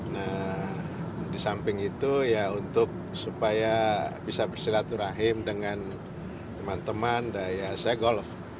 nah di samping itu ya untuk supaya bisa bersilaturahim dengan teman teman dan ya saya golf